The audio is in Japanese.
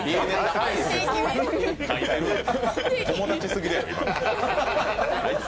友達すぎるやろ「アイス？」